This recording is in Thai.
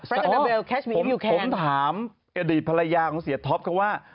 ผมถามอดีตภรรยาของเสียท็อปเขาว่า